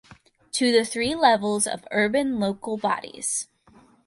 To the three levels of urban local bodies.